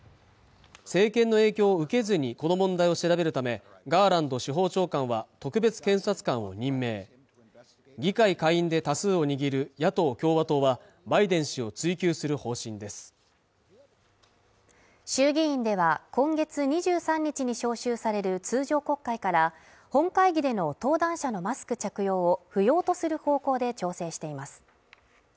政権の影響を受けずにこの問題を調べるためガーランド司法長官は特別検察官を任命議会下院で多数を握る野党・共和党はバイデン氏を追及する方針です衆議院では今月２３日に召集される通常国会から本会議での登壇者のマスク着用を不要とする方向で調整しています